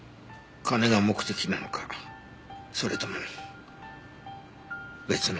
金が目的なのかそれとも別の何か。